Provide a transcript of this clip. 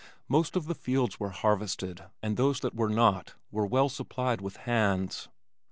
Most of the fields were harvested and those that were not were well supplied with "hands."